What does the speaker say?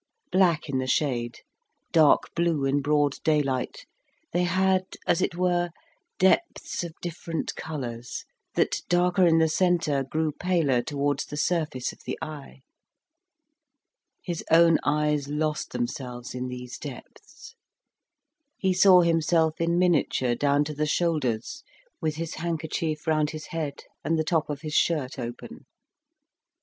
Black in the shade, dark blue in broad daylight, they had, as it were, depths of different colours, that, darker in the centre, grew paler towards the surface of the eye. His own eyes lost themselves in these depths; he saw himself in miniature down to the shoulders, with his handkerchief round his head and the top of his shirt open.